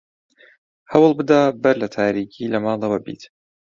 هەوڵ بدە بەر لە تاریکی لە ماڵەوە بیت.